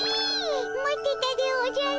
待ってたでおじゃる。